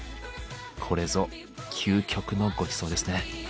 これぞ究極のごちそうですね。